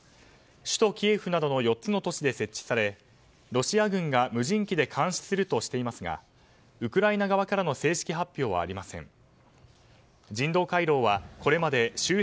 首都キエフなどの４つの都市で設置されロシア軍が無人機で監視するとしていますがウクライナ側からの正式発表はありません。